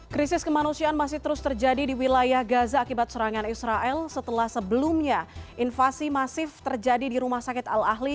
krisis kemanusiaan masih terus terjadi di wilayah gaza akibat serangan israel setelah sebelumnya invasi masif terjadi di rumah sakit al ahli